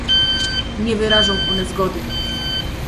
Nie wyrażą one zgody